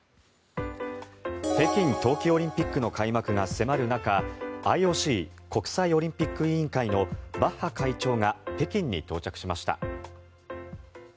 北京冬季オリンピックの開幕が迫る中ＩＯＣ・国際オリンピック委員会のバッハ会長が北京に到着しました。